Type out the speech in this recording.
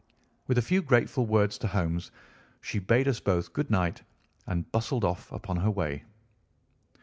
With a few grateful words to Holmes she bade us both good night and bustled off upon her way.